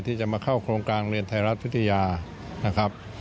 ที่จะมาเข้าโครงการเรียนไทยรัฐวิทยานะครับ